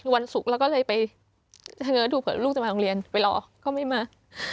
วันศุกร์เราก็เลยไปเฉง้อดูเผื่อลูกจะมาโรงเรียนไปรอก็ไม่มา